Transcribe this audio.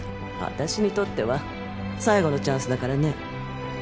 私にとっては最後のチャンスだからね